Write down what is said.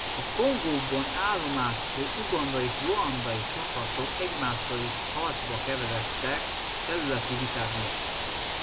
A Kongóban állomásozó ugandai és ruandai csapatok egymással is harcba keveredtek területi viták miatt.